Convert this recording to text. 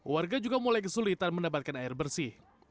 warga juga mulai kesulitan mendapatkan air bersih